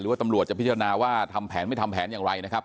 ว่าตำรวจจะพิจารณาว่าทำแผนไม่ทำแผนอย่างไรนะครับ